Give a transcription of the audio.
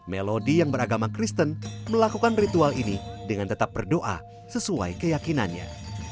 melodi yang beragama kristen melakukan ritual ini dengan tetap berdoa sesuai keyakinannya